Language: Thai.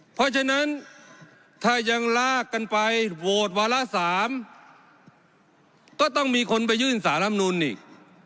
เพราะฉะนั้นถ้ายังลากกันไปโหวตวาระ๓ก็ต้องมีคนไปยื่นสารำนูนอีก